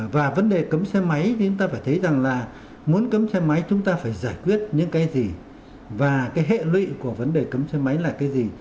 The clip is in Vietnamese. và vấn đề cấm xe máy thì chúng ta phải thấy rằng là muốn cấm xe máy chúng ta phải giải quyết những cái gì và cái hệ lụy của vấn đề cấm xe máy là cái gì